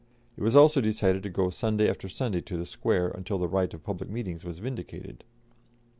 It was also decided to go Sunday after Sunday to the Square, until the right of public meetings was vindicated.